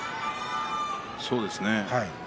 そうですね。